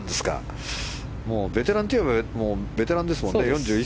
ベテランといえばベテランですもんね。